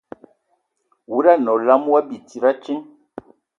Wuda anə olam ya wa bi tsid a kiŋ.